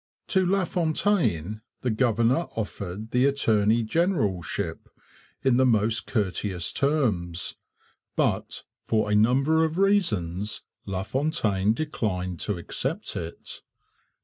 To LaFontaine the governor offered the attorney generalship in the most courteous terms, but, for a number of reasons, LaFontaine declined to accept it.